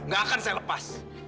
gak akan saya lepas